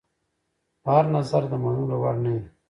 خو هر نظر د منلو وړ نه وي.